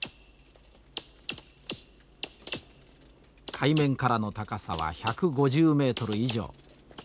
海面からの高さは１５０メートル以上。